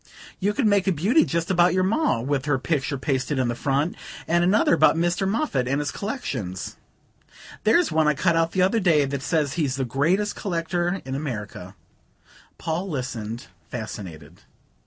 You could make a beauty just about your Ma, with her picture pasted in the front and another about Mr. Moffatt and his collections. There's one I cut out the other day that says he's the greatest collector in America." Paul listened, fascinated.